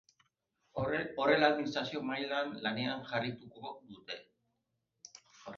Horrela, administrazio mailan lanean jarraituko dute.